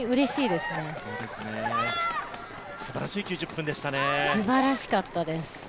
すばらしかったです。